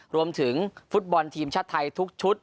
รวมถึงฟุตบอลทีมชาติไทยทุกชุด